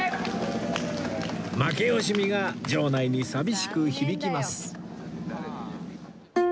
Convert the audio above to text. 負け惜しみが場内に寂しく響きます